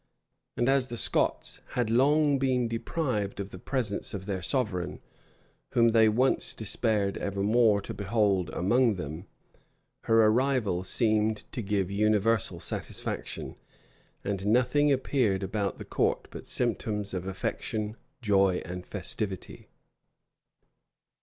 [] And as the Scots had long been deprived of the presence of their sovereign, whom they once despaired ever more to behold among them, her arrival seemed to give universal satisfaction; and nothing appeared about the court but symptoms of affection, joy, and festivity.